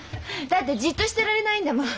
だってじっとしてられないんだもん。